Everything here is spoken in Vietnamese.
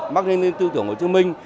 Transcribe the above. mark lenin tư tưởng hồ chí minh